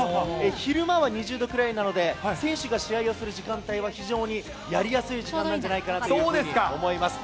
昼間は２０度くらいなので、選手が試合をする時間帯は非常にやりやすい時間なんじゃないかなというふうに思います。